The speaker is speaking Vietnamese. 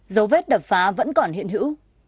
dấu vết đập phá vẫn còn hiện hữu